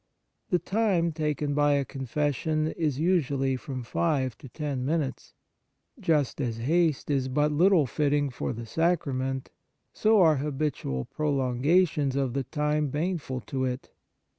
The time taken by a confession is usually from five to ten minutes. Just as haste is but little fitting for the sacrament, so are habitual pro longations of the time baneful to it.